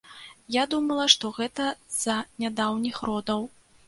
Я думала, што гэта з-за нядаўніх родаў.